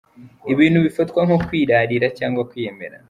Ibintu bifatwa nko kwirarira cyangwa kwiyemera.